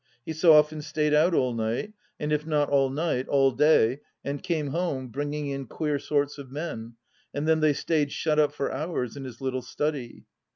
He so often stayed out all night ; and if not all night, all day, and came home, bringing in queer sorts of men, and then they stayed shut up for hours in his little study.